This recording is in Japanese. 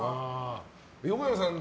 横山さん